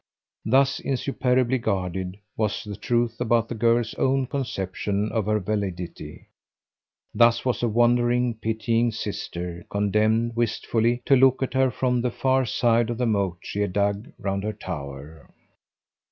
Thus insuperably guarded was the truth about the girl's own conception of her validity; thus was a wondering pitying sister condemned wistfully to look at her from the far side of the moat she had dug round her tower.